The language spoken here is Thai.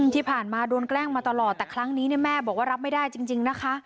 ที่ผ่านมาโดนแกล้งมาตลอดแต่ครั้งนี้แม่บอกว่ารับไม่ได้จริงนะคะ